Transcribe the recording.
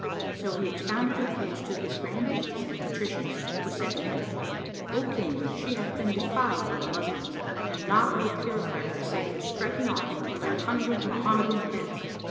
So he expounded her case to his Grandees and Patricians[FN#514] who said to him, "O King, she hath been defiled by the Moslems and naught will purify her save the striking off of an hundred Mohammedan heads."